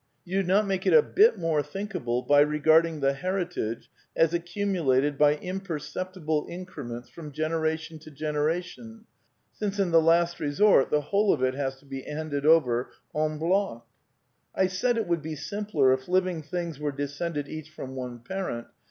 You do not make it a bit more thinkable by regarding the heritage as accumulated by imperceptible increments from generation to generation, since in the last resort the whole of it has to be handed over en hloc* I said it would be simpler if living beings were de scended each from one parent.